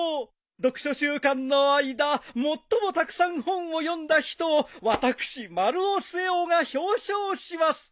読書週間の間最もたくさん本を読んだ人を私丸尾末男が表彰します。